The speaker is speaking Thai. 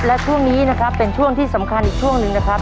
และช่วงนี้นะครับเป็นช่วงที่สำคัญอีกช่วงหนึ่งนะครับ